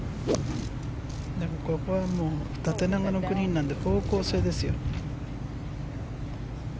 ここは縦長のグリーンなので方向性ですよ。